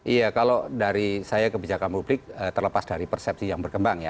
iya kalau dari saya kebijakan publik terlepas dari persepsi yang berkembang ya